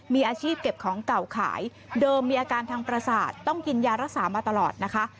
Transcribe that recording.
มีอาชีพเก็บของเก่าขายเดิมมีอาการทางประสาทต้องกินยารักษามาตลอดนะคะ